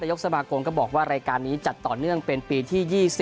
ยกสมาคมก็บอกว่ารายการนี้จัดต่อเนื่องเป็นปีที่๒๑